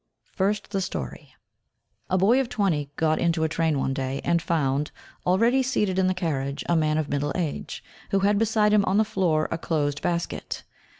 First the story. A boy of twenty got into a train one day, and found, already seated in the carriage, a man of middle age, who had beside him, on the floor, a closed basket.